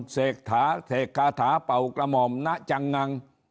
เสกถาเทกคาถาเป่ากระหม่อมนะจังงัง